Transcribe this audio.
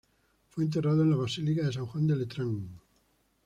Fue enterrado en la Basílica de San Juan de Letrán.